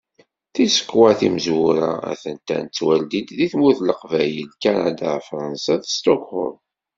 Tisekwa timezwura a-tent-an ttwaldint deg tmurt n Leqbayel, Kanada, Fransa d Sṭukhulm.